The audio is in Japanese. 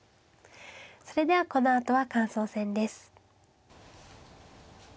それではこのあとは感想戦です。